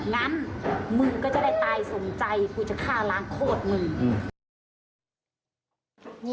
งั้นมึงก็จะได้ตายสมใจกูจะฆ่าล้างโคตรมึง